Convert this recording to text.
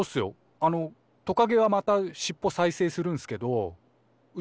あのトカゲはまたしっぽ再生するんすけどうち